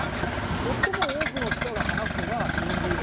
最も多くの人が話すのがヒンディー語。